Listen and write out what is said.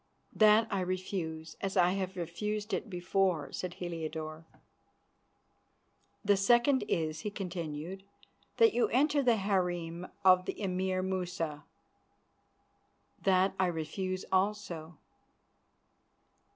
"That I refuse, as I have refused it before," said Heliodore. "The second is," he continued, "that you enter the harem of the Emir Musa." "That I refuse also."